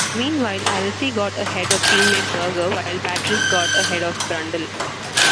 Meanwhile, Alesi got ahead of team-mate Berger while Patrese got ahead of Brundle.